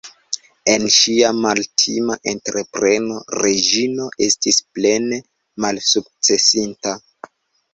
En ŝia maltima entrepreno Reĝino estis plene malsukcesinta.